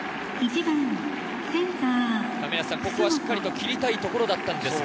しっかりと切りたいところだったんですが。